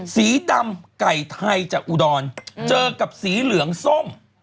สีดำไก่ไทยจากอุดรเจอกับสีเหลืองส้ม